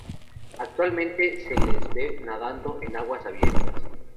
Frecuentemente se les ve nadando en aguas abiertas.